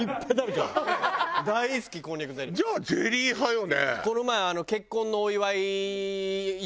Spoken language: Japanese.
じゃあゼリー派よね。